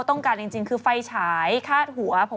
ต้องการจริงจริงคือไฟฉายคาดหัว